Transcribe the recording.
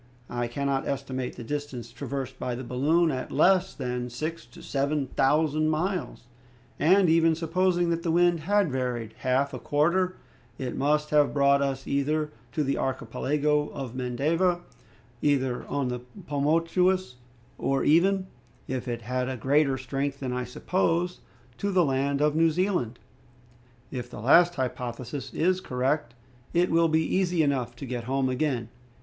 I cannot estimate the distance traversed by the balloon at less than six to seven thousand miles, and, even supposing that the wind had varied half a quarter, it must have brought us either to the archipelago of Mendava, either on the Pomotous, or even, if it had a greater strength than I suppose, to the land of New Zealand. If the last hypothesis is correct, it will be easy enough to get home again.